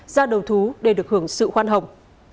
ra đầu thú để được hưởng sự khoan hồng